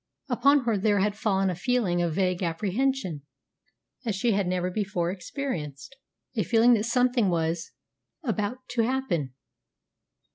Upon her there had fallen a feeling of vague apprehension such as she had never before experienced, a feeling that something was about to happen.